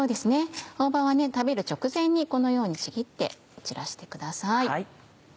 大葉は食べる直前にこのようにちぎって散らしてください。